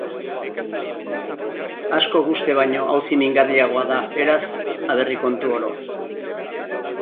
Askok uste baino auzi mingarriagoa da, beraz, aberri kontu oro.